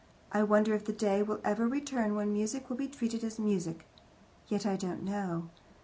I wonder if the day will ever return when music will be treated as music. Yet I don't know.